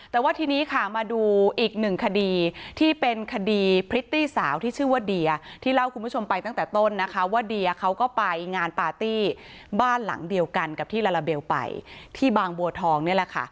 แต่ว่าทีนี้ค่ะมาดูอีกหนึ่งคดีที่เป็นคดีพริตตี้สาวที่ชื่อว่าเดียที่เล่าคุณผู้ชมไปตั้งแต่ต้นนะคะว่าเดียเขาก็ไปงานปาร์ตี้บ้านหลังเดียวกันกับที่ลาลาเบลไปที่บางบัวทองนี่แหละค่ะ